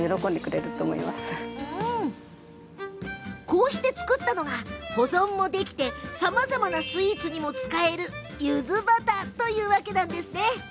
こうして作ったのが保存もできてさまざまなスイーツにも使える柚子バターだったのです。